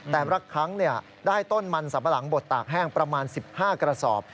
แต่ละครั้งได้ต้นมันสัมปะหลังบดตากแห้งประมาณ๑๕กระสอบ